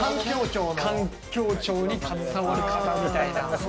環境省に携わる方みたいな。